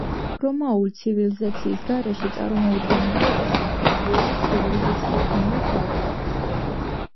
რომაული ცივილიზაციის გარეშე წარმოუდგენელია დასავლური ცივილიზაციის განვითარება.